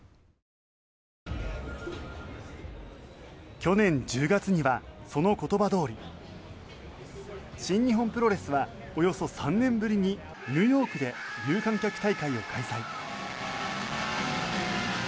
去年１０月にはその言葉どおり新日本プロレスはおよそ３年ぶりにニューヨークで有観客大会を開催。